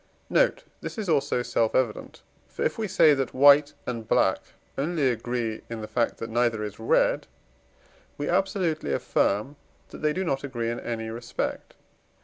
Note. This is also self evident; for, if we say that white and black only agree in the fact that neither is red, we absolutely affirm that the do not agree in any respect.